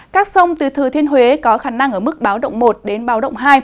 các sông từ thừa thiên huế có khả năng ở mức báo động một đến báo động hai